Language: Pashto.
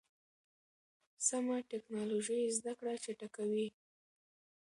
سمه ټکنالوژي زده کړه چټکوي.